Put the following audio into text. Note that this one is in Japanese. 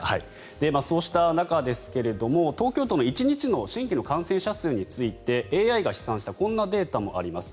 そうした中ですが東京都の１日の新規感染者数についてＡＩが試算したこんなデータもあります。